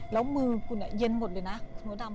แล้วมือกูเนี่ยเย็นหมดเลยนะคุณอดำ